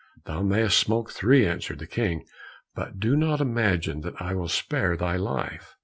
"Thou mayst smoke three," answered the King, "but do not imagine that I will spare thy life."